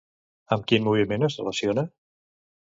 Amb quin moviment es relaciona?